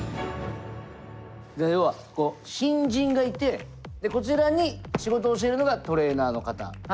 要はこう新人がいてこちらに仕事を教えるのがトレーナーの方。